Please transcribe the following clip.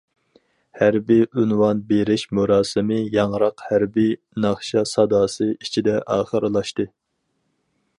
ھەربىي ئۇنۋان بېرىش مۇراسىمى ياڭراق ھەربىي ناخشا ساداسى ئىچىدە ئاخىرلاشتى.